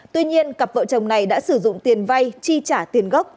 tuy nhiên cặp vợ chồng này đã sử dụng tiền vay chi trả tiền gốc